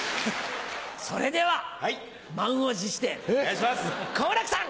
それでは満を持して好楽さん！